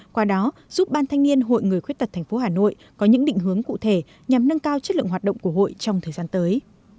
qua đó giúp ban thanh niên hội người khuyết tật tp hà nội có những định hướng cụ thể nhằm nâng cao chất lượng hoạt động của hội trong thời gian tới